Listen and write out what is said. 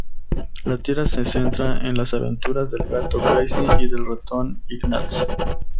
La tira se centra en las aventuras del gato Krazy y del ratón Ignatz.